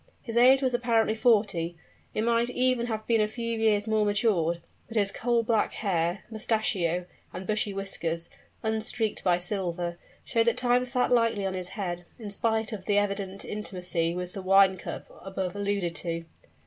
His age was apparently forty; it might even have been a few years more matured but his coal black hair, mustachio, and bushy whiskers, unstreaked by silver, showed that time sat lightly on his head, in spite of the evident intimacy with the wine cup above alluded to.